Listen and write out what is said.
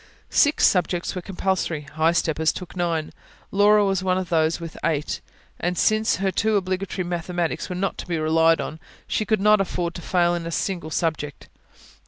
Six subjects were compulsory; high steppers took nine. Laura was one of those with eight, and since her two obligatory mathematics were not to be relied on, she could not afford to fail in a single subject.